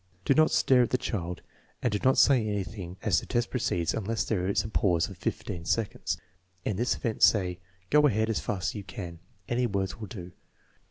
Do not stare at the child, and do not say anything as the test proceeds unless there is a pause of fifteen seconds. In this event say: "Go ahead, as fast as you can. Any words will do."